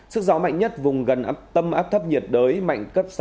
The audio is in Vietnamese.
sức gió mạnh nhất vùng gần tâm áp thấp nhiệt đới mạnh cấp sáu